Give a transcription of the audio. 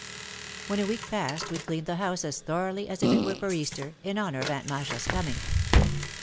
When a week passed we cleaned the house as thor oughly as if it were for Easter, in honour of Aunt Masha's coming.